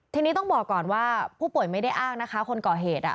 ทีนี้ต้องบอกก่อนว่าผู้ป่วยไม่ได้อ้างนะคะคนก่อเหตุ